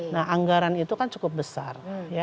nah anggaran itu kan cukup besar